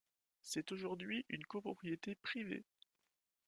C'est aujourd'hui une copropriété privée.